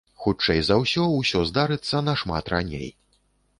Хутчэй за ўсё, усё здарыцца нашмат раней.